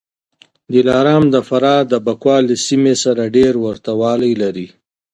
دلارام د فراه د بکواه له سیمې سره ډېر ورته والی لري